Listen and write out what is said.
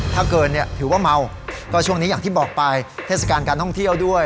ถ้าเกินเนี่ยถือว่าเมาก็ช่วงนี้อย่างที่บอกไปเทศกาลการท่องเที่ยวด้วย